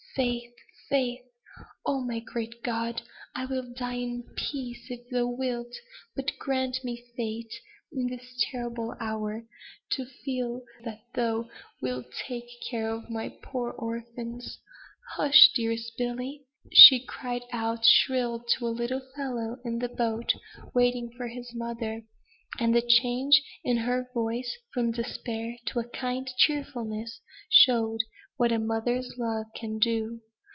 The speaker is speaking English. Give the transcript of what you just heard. Faith! faith! Oh, my great God! I will die in peace, if Thou wilt but grant me faith in this terrible hour, to feel that Thou wilt take care of my poor orphans. Hush! dearest Billy," she cried out shrill to a little fellow in the boat waiting for his mother; and the change in her voice from despair to a kind of cheerfulness, showed what a mother's love can do.